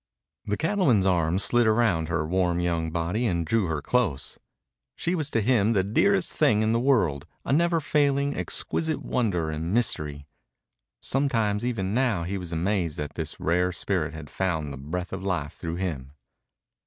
The cattleman's arm slid round her warm young body and drew her close. She was to him the dearest thing in the world, a never failing, exquisite wonder and mystery. Sometimes even now he was amazed that this rare spirit had found the breath of life through him.